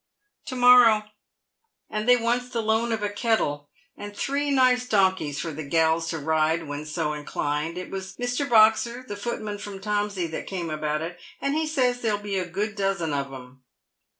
" To morrow ;"and they wants the loan of a kettle, and three nice donkeys for the gals to ride when so inclined. It was Mr. Boxer, the footman from Tomsey, that came about it, and he says there'll be a good dozen of 'em."